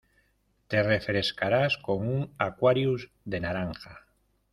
Te refrescarás con un Aquarius de naranja.